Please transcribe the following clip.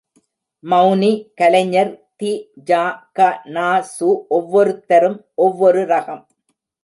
மெளனி, கலைஞர், தி.ஜா, க.நா.சு ஒவ்வொருத்தரும் ஒவ்வொரு ரகம்.